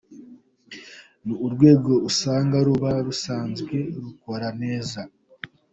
Ni urwego usanga ruba rusanzwe rukora neza.